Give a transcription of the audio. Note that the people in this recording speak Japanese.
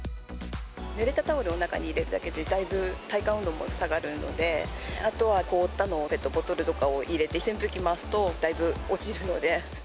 ぬれたタオルを中に入れるだけで、だいぶ体感温度も下がるので、あとは凍ったのを、ペットボトルとかを入れて扇風機回すとだいぶ落ちるので。